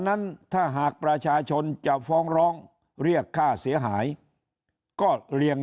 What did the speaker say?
นั้นถ้าหากประชาชนจะฟ้องร้องเรียกค่าเสียหายก็เรียง